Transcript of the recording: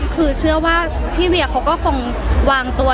คือเชื่อว่าพี่เวียเขาก็คงวางตัว